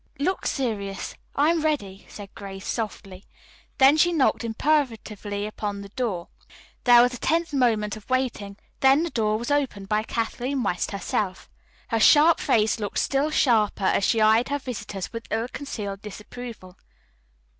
"Look serious. I am ready," said Grace softly. Then she knocked imperatively upon the door. There was a tense moment of waiting, then the door was opened by Kathleen West herself. Her sharp face looked still sharper as she eyed her visitors with ill concealed disapproval.